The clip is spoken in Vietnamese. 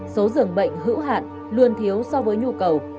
số dường bệnh hữu hạn luôn thiếu so với nhu cầu